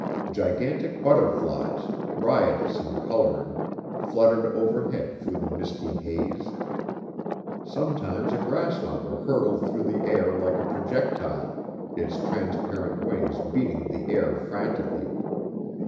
Gigantic butterflies, riotous in coloring, fluttered overhead through the misty haze. Sometimes a grasshopper hurtled through the air like a projectile, its transparent wings beating the air frantically.